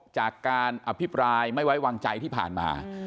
จากการอภิปรายไม่ไว้วางใจที่ผ่านมา